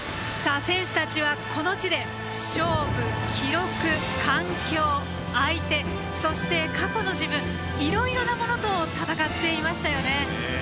選手たちはこの地で勝負、記録環境、相手そして、過去の自分いろいろなものと戦っていましたよね。